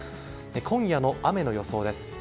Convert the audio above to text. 今夜の雨の予想です。